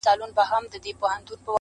ډيره ژړا لـــږ خـــنــــــــــدا.